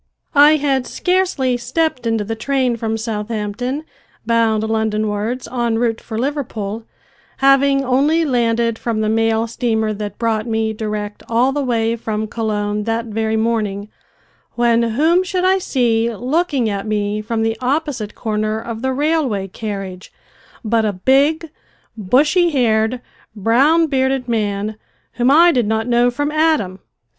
I had scarcely stepped into the train from Southampton, bound Londonwards, en route for Liverpool, having only landed from the mail steamer that brought me direct all the way from Colon that very morning, when whom should I see looking at me from the opposite corner of the railway carriage but a big, bushy haired, brown bearded man whom I did not know from Adam.